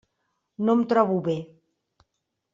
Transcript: No em trobo bé.